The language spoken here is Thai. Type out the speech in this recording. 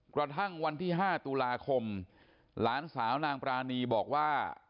กระทั่งวันที่๕ตุลาคมหลานสาวนางปรานีบอกว่า